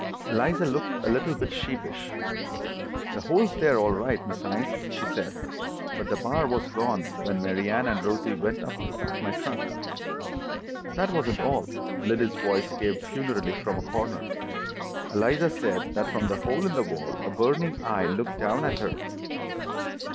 Eliza looked a little bit sheepish. "The hole's there all right, Miss Innes," she said. "But the bar was gone when Mary Anne and Rosie went up to pack my trunk." "That wasn't all," Liddy's voice came funereally from a corner. "Eliza said that from the hole in the wall a burning eye looked down at her!"